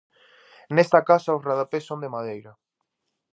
Nesta casa os rodapés son de madeira.